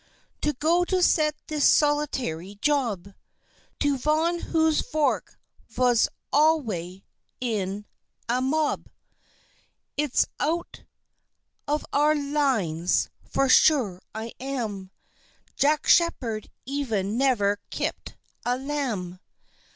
"To go to set this solitary Job To Von whose Vork vos alvay in a Mob! It's out of all our Lines, for sure I am Jack Shepherd even never kep a Lamb!